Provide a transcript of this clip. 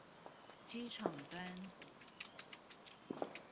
機場端